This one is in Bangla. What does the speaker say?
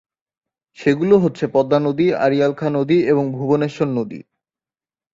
সেগুলো হচ্ছে পদ্মা নদী, আড়িয়াল খাঁ নদী এবং ভুবনেশ্বর নদ।